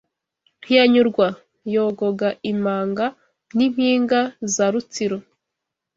ntiyanyurwa, yogoga imanga n’impinga za Rutsiro